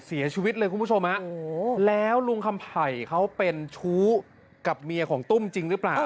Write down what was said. เสียชีวิตเลยคุณผู้ชมฮะโอ้โหแล้วลุงคำไผ่เขาเป็นชู้กับเมียของตุ้มจริงหรือเปล่า